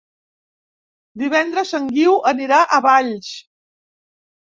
Divendres en Guiu anirà a Valls.